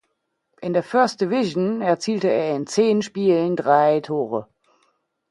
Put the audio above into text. In der First Division erzielte er in zehn Spielen drei Tore.